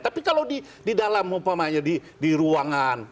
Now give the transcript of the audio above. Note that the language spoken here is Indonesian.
tapi kalau di dalam umpamanya di ruangan